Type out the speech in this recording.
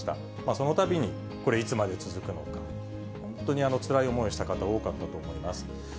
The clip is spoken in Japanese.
そのたびに、これ、いつまで続くのか、本当につらい思いをした方、多かったと思います。